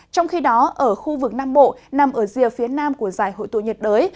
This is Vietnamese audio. trong khi đó ở khu vực nam bộ nằm ở rìa phía nam của giải hội tụ nhiệt đới